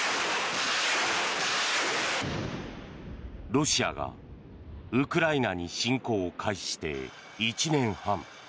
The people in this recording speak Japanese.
ロシアがウクライナに侵攻を開始して１年半。